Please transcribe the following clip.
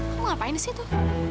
kamu ngapain di situ